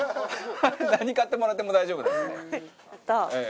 何買ってもらっても大丈夫なんで。